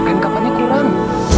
kaim kapannya kurang